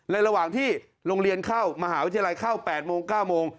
ระหว่างที่โรงเรียนเข้ามหาวิทยาลัยเข้า๘โมง๙โมง